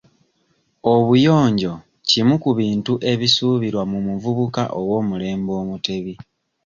Obuyonjo kimu ku bintu ebisuubirwa mu muvubuka ow'omulembe omutebi.